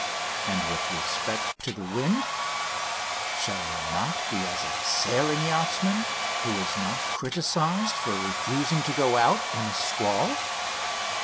and, with respect to the wind, "shall I not be as a sailing yachtsman who is not criticised for refusing to go out in a squall?"